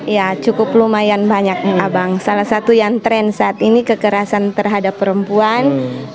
ya cukup lumayan banyak abang salah satu yang tren saat ini kekerasan terhadap perempuan